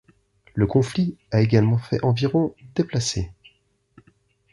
Le conflit a également fait environ déplacés.